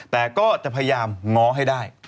แต่ก็จะพยายามง้อให้ได้